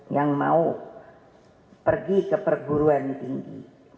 yang mau pergi ke perguruan tinggi